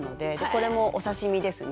これもお刺身ですね。